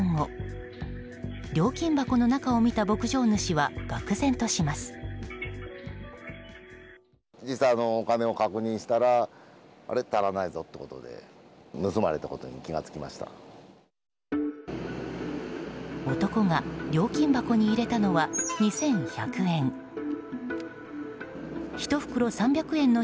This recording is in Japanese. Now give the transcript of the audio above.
男が料金箱に入れたのは２１００円。